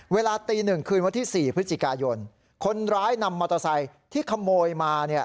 เวลาตีหนึ่งคืนวันที่๔พฤศจิกายนคนร้ายนำมอเตอร์ไซค์ที่ขโมยมาเนี่ย